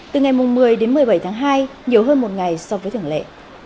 từ ngày một mươi đến một mươi bảy tháng hai nhiều hơn một ngày so với thường lệ